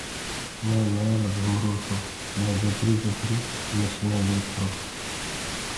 مي ميٚل گهمرو تو مي جبري جبري مشني ديکرو۔